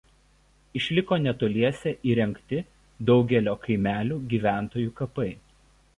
Išliko netoliese įrengti daugelio kaimelio gyventojų kapai.